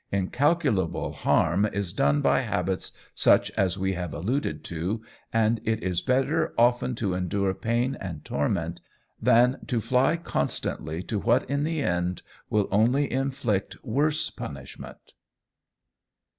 Incalculable harm is done by habits such as we have alluded to, and it is better often to endure pain and torment, than to fly constantly to what in the end will only inflict worse punishment.